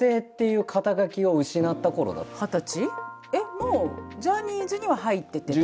もうジャニーズには入っててってこと？